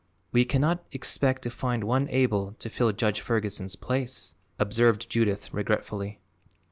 "We cannot expect to find one able to fill Judge Ferguson's place," observed Judith regretfully.